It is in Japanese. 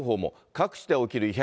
各地で起きる異変。